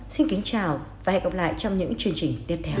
xin kính chào và hẹn gặp lại trong những chương trình tiếp theo